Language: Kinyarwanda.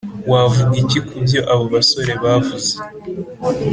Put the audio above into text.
Wavuga iki ku byo abo basore bavuze